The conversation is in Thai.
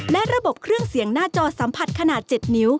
และระบบเครื่องเสียงหน้าจอสัมผัสขนาด๗นิ้ว